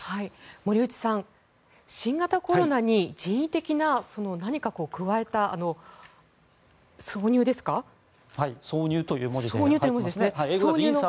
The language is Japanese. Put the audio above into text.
森内さん新型コロナに人為的な何か加えた挿入ですか。